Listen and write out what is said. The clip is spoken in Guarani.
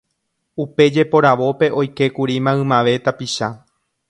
Upe jeporavópe oikékuri maymave tapicha